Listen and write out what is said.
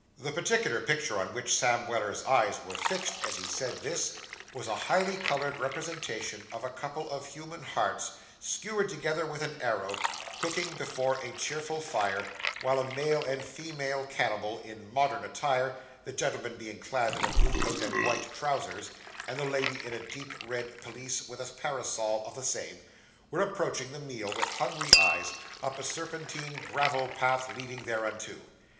The particular picture on which Sam Weller's eyes were fixed, as he said this, was a highly coloured representation of a couple of human hearts skewered together with an arrow, cooking before a cheerful fire, while a male and female cannibal in modern attire, the gentleman being clad in a blue coat and white trousers, and the lady in a deep red pelisse with a parasol of the same, were approaching the meal with hungry eyes, up a serpentine gravel path leading thereunto.